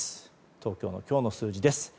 東京の今日の数字です。